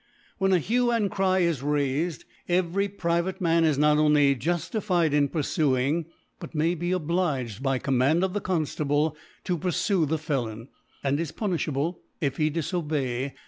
When a Hue and Cry is railed, every private Man is not only juftified in pur fuing ; but may be obliged by Command of the Conftable to purfue the Felon, and is punifluble^ if he difobcy